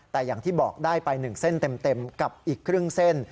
แต่อย่างที่บอกได้ไป๑เส้นเต็มกับอีกครึ่งเส้น